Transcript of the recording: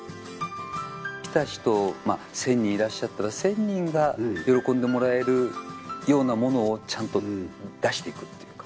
来た人、１０００人いらっしゃったら、１０００人が喜んでもらえるようなものをちゃんと出していくっていうか。